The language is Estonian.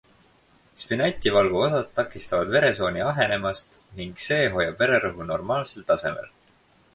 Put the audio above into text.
Spinativalgu osad takistavad veresooni ahenemast ning see hoiab vererõhu normaalsel tasemel.